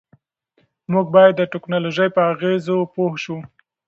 موږ باید د ټیکنالوژۍ په اغېزو پوه شو.